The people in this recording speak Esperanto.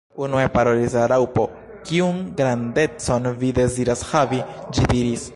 Unue parolis la Raŭpo. "Kiun grandecon vi deziras havi?" ĝi diris.